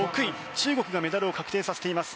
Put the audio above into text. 中国がメダルを確定させています。